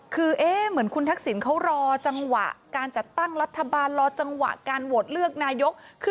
คือเหมือนคุณทักษิณเขารอจังหวะการจัดตั้งรัฐบาลรอจังหวะการโหวตเลือกนายก